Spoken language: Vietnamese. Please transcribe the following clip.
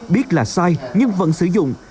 biết là sai nhưng vẫn sử dụng